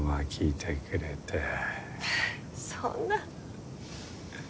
そんな。